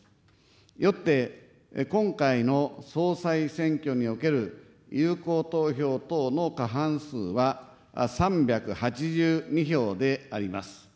よって、今回の総裁選挙における有効投票等の過半数は、３８２票であります。